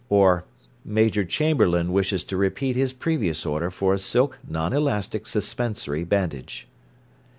Or, "Major Chamberlain wishes to repeat his previous order for a silk non elastic suspensory bandage."